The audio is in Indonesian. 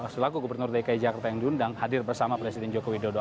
selaku gubernur dki jakarta yang diundang hadir bersama presiden joko widodo